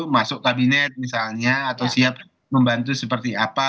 masuk kabinet misalnya atau siap membantu seperti apa